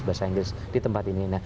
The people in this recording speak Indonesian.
bahasa inggris di tempat ini